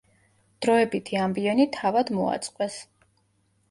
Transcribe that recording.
დროებითი ამბიონი თავად მოაწყვეს.